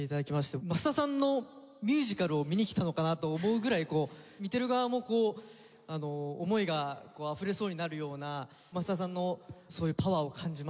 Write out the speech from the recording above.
益田さんのミュージカルを見に来たのかなと思うぐらい見てる側もこう思いがあふれそうになるような益田さんのそういうパワーを感じました。